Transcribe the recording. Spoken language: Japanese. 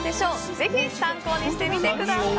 ぜひ参考にしてみてください！